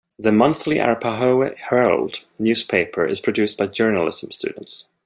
The monthly "Arapahoe Herald" newspaper is produced by journalism students.